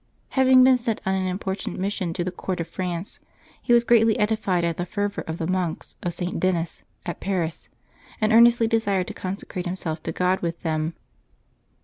Having been sent on an important mission to the Court of France, he was greatly edified at the fervor of the monks of St. Denis, at Paris, and earnestly desired to consecrate himself to God with them.